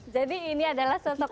jadi ini adalah sosok